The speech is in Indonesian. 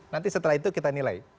nanti setelah itu kita nilai